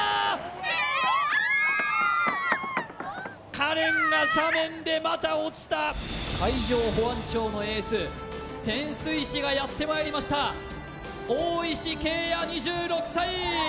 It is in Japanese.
ＫＡＲＥＮが斜面でまた落ちた海上保安庁のエース潜水士がやってまいりました大石惠也２６歳！